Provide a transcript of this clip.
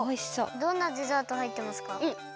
どんなデザートはいってますか？